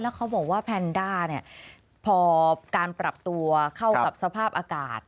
เขาบอกว่าแพนด้าเนี่ยพอการปรับตัวเข้ากับสภาพอากาศ